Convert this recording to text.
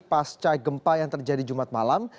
pasca gempa yang terjadi jumat malam